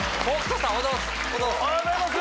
おはようございます！